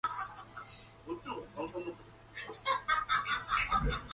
Before World War One Turnbull worked at the family firm of ship-owners.